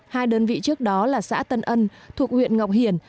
hai đơn vị trước đó là xã tân ân thuộc huyện ngọc hiển